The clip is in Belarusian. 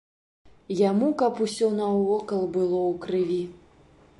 Яму каб усё наўкол было ў крыві.